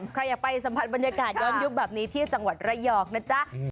ใครอยากไปสัมผัสบรรยากาศย้อนยุคแบบนี้ที่จังหวัดระยองนะจ๊ะ